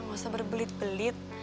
gak usah berbelit belit